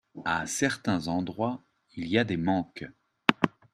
À certains endroits il y a des manques.